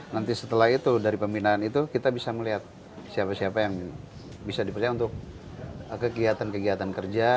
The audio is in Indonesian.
nanti setelah itu dari pembinaan itu kita bisa melihat siapa siapa yang bisa dipercaya untuk kegiatan kegiatan kerja